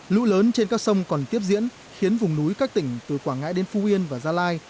lũ lớn trên các sông còn tiếp diễn khiến vùng núi các tỉnh từ quảng ngãi đến phú yên và gia lai